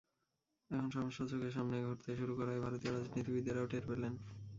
এখন সমস্যা চোখের সামনে ঘটতে শুরু করায় ভারতীয় রাজনীতিবিদেরাও টের পেলেন।